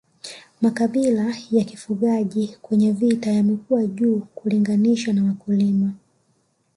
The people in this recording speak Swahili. Makabila ya kifugaji kwenye vita yamekuwa juu kulinganisha na wakulima